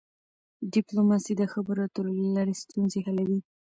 ډيپلوماسي د خبرو اترو له لاري ستونزي حلوي.